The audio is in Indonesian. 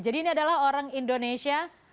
jadi ini adalah orang indonesia